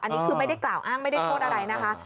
อันนี้คือไม่ได้กล่าวอ้างไม่ได้โทษอะไรนะคะ